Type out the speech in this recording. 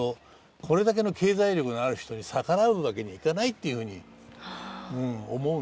これだけの経済力のある人に逆らうわけにいかないっていうふうに思うんです。